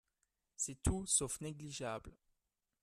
C’est tout sauf négligeable